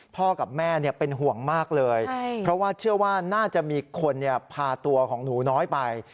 กับแม่เป็นห่วงมากเลยเพราะว่าเชื่อว่าน่าจะมีคนพาตัวของหนูน้อยไป